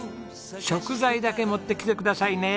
食材だけ持ってきてくださいね。